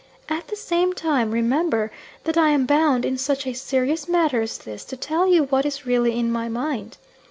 At the same time, remember, that I am bound, in such a serious matter as this, to tell you what is really in my mind.